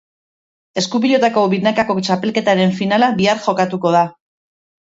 Esku-pilotako binakako txapelketaren finala bihar jokatuko da.